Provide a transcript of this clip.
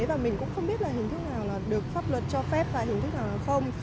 và mình cũng không biết là hình thức nào là được pháp luật cho phép và hình thức nào không